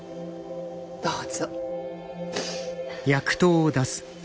どうぞ。